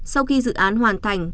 sau khi dự án hoàn thành